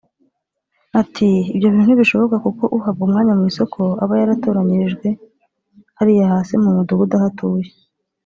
Ati “Ibyo bintu ntibishoboka kuko uhabwa umwanya mu isoko aba yaratoranyirijwe hariya hasi mu mudugudu aho atuye